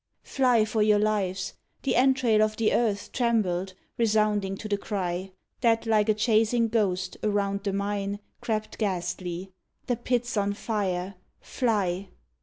"Fly for your lives!" The entrails of the earth Trembled, resounding to the cry, That, like a chasing ghost, around the mine Crept ghastly: "The pit 's on fire! Fly!"